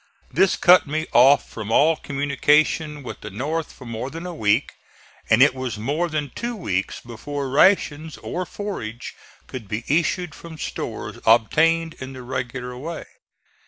This cut me off from all communication with the north for more than a week, and it was more than two weeks before rations or forage could be issued from stores obtained in the regular way.